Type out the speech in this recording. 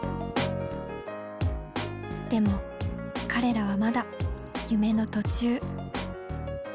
でも彼らはまだ夢の途中。